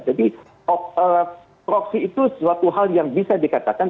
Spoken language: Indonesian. jadi proksi itu suatu hal yang bisa dikatakan